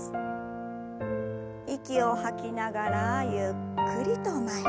息を吐きながらゆっくりと前。